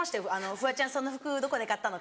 「フワちゃんその服どこで買ったの？